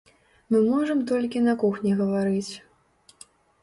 Мы можам толькі на кухні гаварыць.